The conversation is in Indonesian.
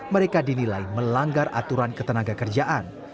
mereka dinilai melanggar aturan ketenaga kerjaan